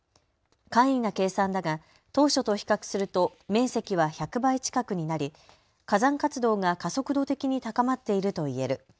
簡易な計算だが当初と比較すると面積は１００倍近くになり火山活動が加速度的に高まっているといえる。